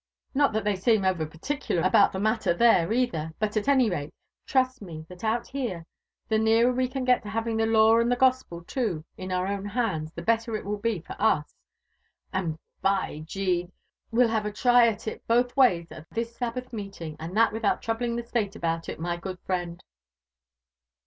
Not that they seenv ever pat ticuMr aAenf (he IS* 175 LIFE AND ADVENTURES OF matter there eilher ; but at any rale, trust me that out here, the nearer we can get to having the law and the gospel too in our own hands, the better it will be for us ; and, by G — d I we'll have a try at it both ways at this Sabbath meeting, and that without troubling the Stale about it, my good friend."